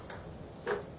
えっ？